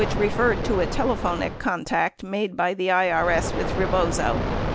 1018 referred to a telephonic contact made by the IRS with Rebozo.